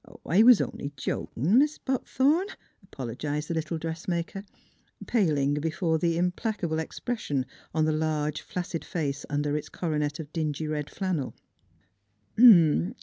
" I was only jokin', Mis' Buckthorn," apolo gized the little dressmaker, paling before the im 22 NEIGHBORS placable expression on the large flaccid face under its coronet of dingy red flannel.